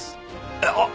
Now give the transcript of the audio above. えっあっ！